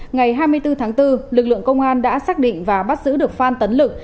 ngày hai mươi bốn tháng bốn lực lượng công an đã xác định và bắt giữ được phan tấn lực